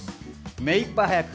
目いっぱい速く。